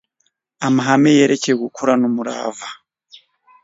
Amahame yerekeye gukorana umurava